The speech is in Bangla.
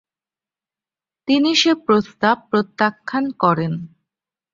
তিনি সে প্রস্তাব প্রত্যাখ্যান করেন।